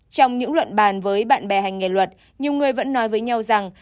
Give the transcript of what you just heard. trong những luận bàn với bạn bè hành nghề luật nhiều người vẫn nói với nhau rằng